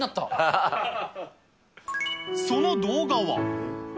その動画は。